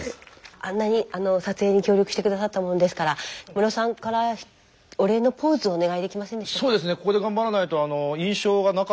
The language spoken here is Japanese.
あんなに撮影に協力して下さったもんですからムロさんからお礼のポーズをお願いできませんですか？